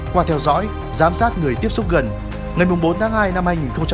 qua theo dõi giám sát người tiếp xúc gần ngày bốn tháng hai năm hai nghìn hai mươi